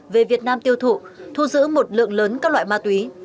về việt nam tiêu thụ thu giữ một lượng lớn các loại ma túy